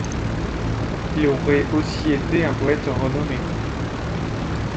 Il aurait aussi été un poète renommé.